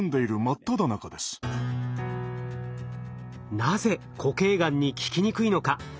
なぜ固形がんに効きにくいのか。